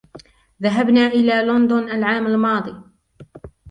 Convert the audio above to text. ذهبنا إلى لندن العام الماضي.